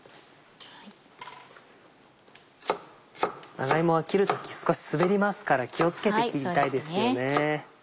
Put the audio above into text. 長芋は切る時少し滑りますから気を付けて切りたいですよね。